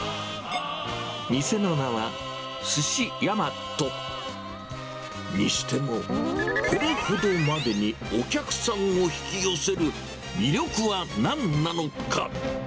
店の名は、寿司やまと。にしても、これほどまでにお客さんを引き寄せる魅力は何なのか。